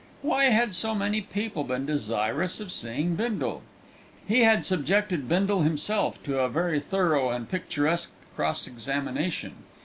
Why had so many people been desirous of seeing Bindle? He had subjected Bindle himself to a very thorough and picturesque cross examination.